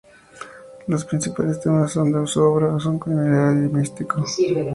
Los principales temas de su obra son la criminalidad y el misticismo.